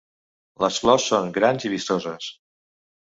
Les flors són grans i vistoses.